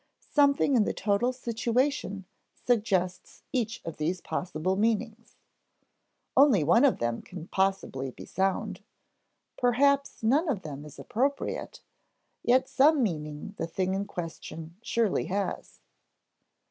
Something in the total situation suggests each of these possible meanings. Only one of them can possibly be sound; perhaps none of them is appropriate; yet some meaning the thing in question surely has.